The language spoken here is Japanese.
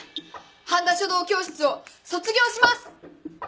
半田書道教室を卒業します！